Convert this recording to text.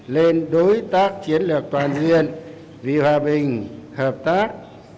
lên đối tác chiến lược